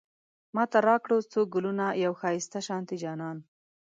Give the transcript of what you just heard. ماته راکړه څو ګلونه، يو ښايسته شانتی جانان